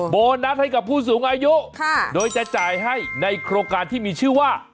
โบนัสให้กับผู้สูงอายุโดยจะจ่ายให้ในโครงการที่มีชื่อว่า